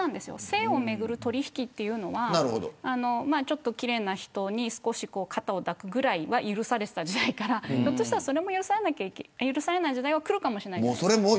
性をめぐる取引というのはちょっと奇麗な人に少し肩を抱くぐらいは許されていた時代からひょっとしたらそれも許されない時代が来るかもしれない。